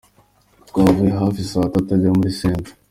Twavuyeyo hafi saa tatu, ajya muri St.